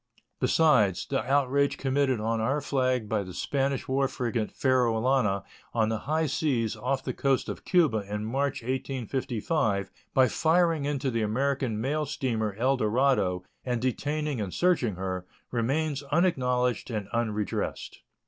Besides, the outrage committed on our flag by the Spanish war frigate Ferrolana on the high seas off the coast of Cuba in March, 1855, by firing into the American mail steamer El Dorado and detaining and searching her, remains unacknowledged and unredressed.